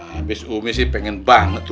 habis umi sih pengen banget